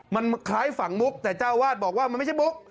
มันคล้ายฝั่งมุกแต่เจ้าวาดบอกว่ามันไม่ใช่มุก